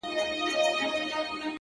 گوندې زما له لاسه تاته هم پېغور جوړ سي!